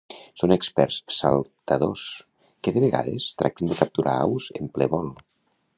Són experts saltadors, que de vegades tracten de capturar aus en ple vol.